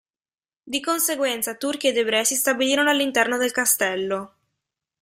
Di conseguenza Turchi ed Ebrei si stabilirono all'interno del castello.